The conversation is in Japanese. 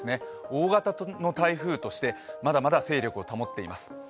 大型の台風として、まだまだ勢力を保っています。